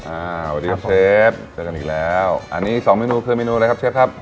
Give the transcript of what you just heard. สวัสดีครับเชฟเจอกันอีกแล้วอันนี้สองเมนูคือเมนูอะไรครับเชฟครับ